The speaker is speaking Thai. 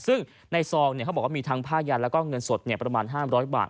ซึ่งในซองเขาบอกว่ามีทั้งผ้ายันแล้วก็เงินสดประมาณ๕๐๐บาท